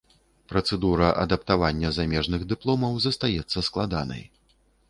Працэдура адаптавання замежных дыпломаў застаецца складанай.